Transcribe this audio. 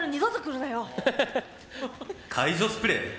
解除スプレー？